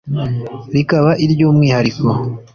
rikaba iry'umwihariko